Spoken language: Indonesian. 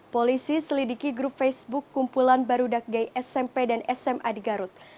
polisi selidiki grup facebook kumpulan barudak gay smp dan sma di garut